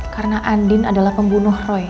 karena andin adalah pembunuh roy ya kan